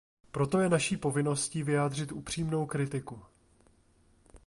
Proto je naší povinností vyjádřit upřímnou kritiku.